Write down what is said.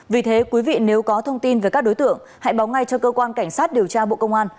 vì thế quý vị nếu có thông tin về các đối tượng hãy báo ngay cho cơ quan cảnh sát điều tra bộ công an